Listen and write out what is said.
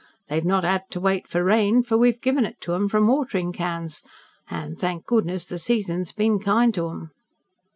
They've not had to wait for rain, for we've given it to 'em from watering cans, and, thank goodness, the season's been kind to 'em."